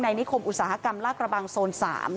นิคมอุตสาหกรรมลากระบังโซน๓